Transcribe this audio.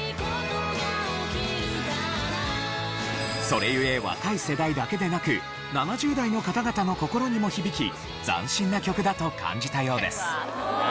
それゆえ若い世代だけでなく７０代の方々の心にも響き斬新な曲だと感じたようです。